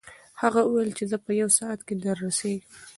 هغه وویل چې زه په یو ساعت کې دررسېږم.